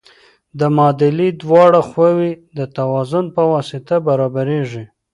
د معادلې دواړه خواوې د توازن په واسطه برابریږي.